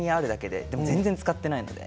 でも全然使ってないので。